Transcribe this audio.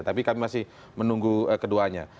tapi kami masih menunggu keduanya